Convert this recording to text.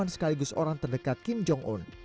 sekaligus orang terdekat kim jong un